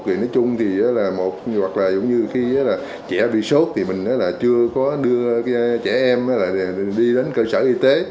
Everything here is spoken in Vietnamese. rồi nói chung là một hoặc là giống như là trẻ bị sốt thì mình chưa có đưa trẻ em đi đến cơ sở y tế